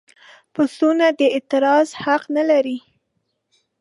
پسونه د اعتراض حق نه لري.